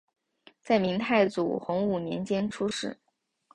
在明太祖洪武年间出仕。